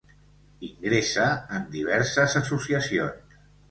Ingressa en diverses associacions.